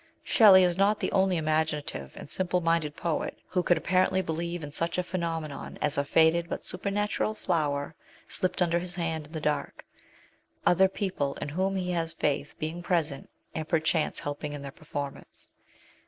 Shelley is not the only imaginative and simple minded poet who could apparently believe in such a phenomenon as a faded but supernatural flower slipped under his hand in the dark, other people in whom he has faith being present, and perchance helping in the performance.